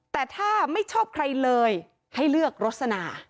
แต่ถ้าไม่ชอบใครเลยให้เลือกรสนา